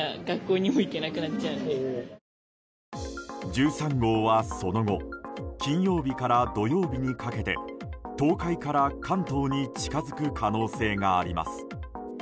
１３号は、その後金曜日から土曜日にかけて東海から関東に近づく可能性があります。